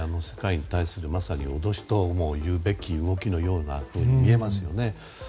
世界に対する、まさに脅しとも言うべき動きのように見えますよね。